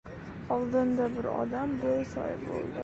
oldinda bir odam bo‘yi soy bo‘ldi...